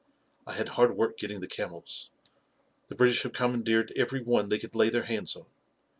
I had hard work getting the camels. The British have commandeered every one they could lay their hands on.